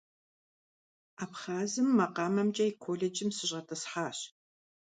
Абхъазым макъамэмкӀэ и колледжым сыщӀэтӀысхьащ.